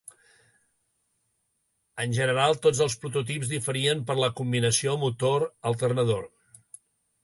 En general, tots els prototips diferien per la combinació motor-alternador.